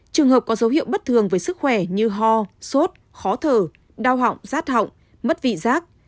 trường hợp có dấu hiệu bất thường với sức khỏe như ho sốt khó thở đau họng rát họng mất vị giác